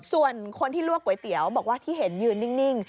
ส่วนคนที่ลวกก๋วยเตี๋ยวบอกว่าที่เห็นยืนนิ่ง